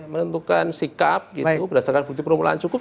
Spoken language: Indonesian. menentukan sikap gitu berdasarkan bukti permulaan cukup